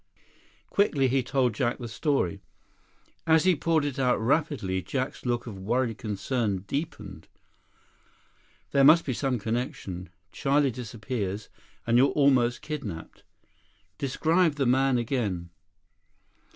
47 Quickly he told Jack the story. As he poured it out rapidly, Jack's look of worried concern deepened. "There must be some connection. Charlie disappears, and you're almost kidnaped. Describe the man again."